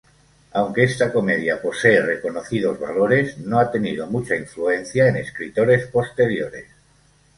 Aunque esta comedia posee reconocidos valores, no ha tenido mucha influencia en escritores posteriores.